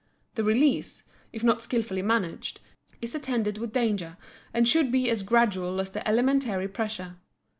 The release, if not skillfully managed, is attended with danger and should be as gradual as the elementary pressure.